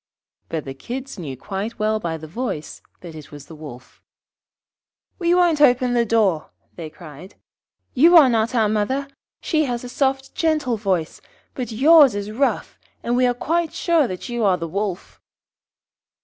But the Kids knew quite well by the voice that it was the Wolf. 'We won't open the door,' they cried. 'You are not our mother. She has a soft gentle voice; but yours is rough, and we are quite sure that you are the Wolf.'